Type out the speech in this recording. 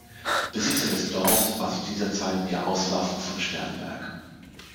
Besitzer des Dorfes war zu dieser Zeit Jaroslav von Sternberg.